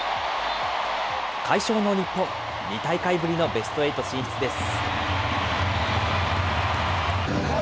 快勝の日本、２大会ぶりのベストエイト進出です。